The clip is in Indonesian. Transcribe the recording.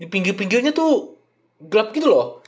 pinggir pinggirnya tuh gelap gitu loh